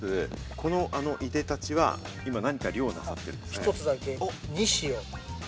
このいでたちは今、何か漁をされているんですか？